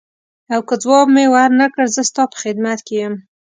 او که ځواب مې ورنه کړ زه ستا په خدمت کې یم.